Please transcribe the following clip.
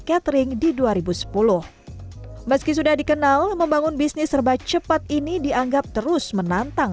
catering di dua ribu sepuluh meski sudah dikenal membangun bisnis serba cepat ini dianggap terus menantang